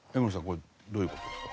これどういう事ですか？